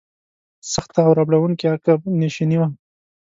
سخته او ربړونکې عقب نشیني وه.